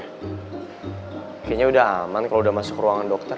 kayaknya udah aman kalo udah masuk ke ruangan dokter